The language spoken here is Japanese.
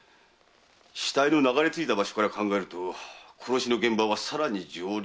死体の流れ着いた場所から考え殺しの現場はさらに上流。